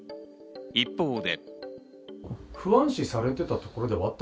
一方で。